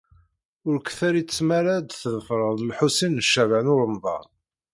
Ur k-terri tmara ad tḍefreḍ Lḥusin n Caɛban u Ṛemḍan.